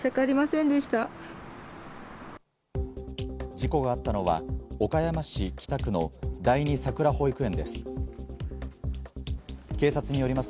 事故があったのは岡山市北区の第二さくら保育園です。